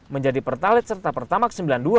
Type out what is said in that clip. menjadi pertalit serta pertamax sembilan puluh dua